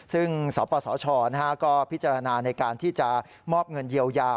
ซึ่งสปสชก็พิจารณาในการที่จะมอบเงินเยียวยา